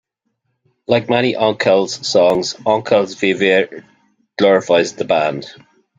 Like many Onkelz songs, "Onkelz wie wir" glorifies the band.